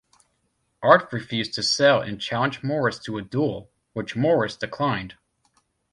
Art refused to sell and challenged Morris to a duel, which Morris declined.